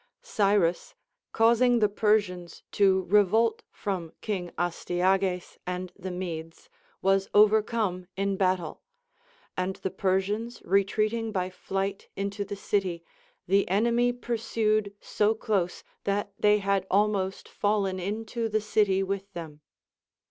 Cyrus, causing the Persians to revolt from King Asty ages and the Medes, was overcome in battle ; and the Persians retreating by flight into the city, the enemy pur sued so close that they had almost fallen into the city Avitli them.